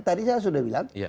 tadi saya sudah bilang